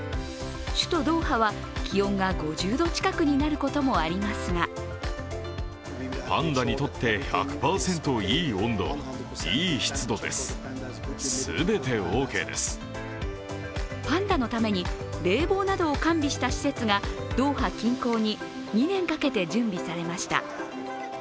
首都ドーハは気温が５０度近くになることもありますがパンダのために冷房などを完備した施設がドーハ近郊に２年かけて準備されました。